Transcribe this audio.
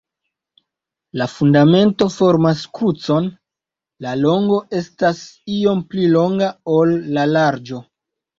La fundamento formas krucon, la longo estas iom pli longa, ol la larĝo.